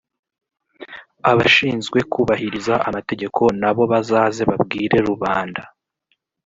abashinzwe kubahiriza amategeko na bo bazaze babwire rubanda